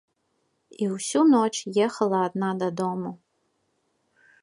І ўсю ноч ехала адна дадому.